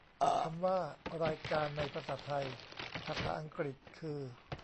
คำว่า "รายการ" ในภาษาไทย ภาษาอังกฤษคือ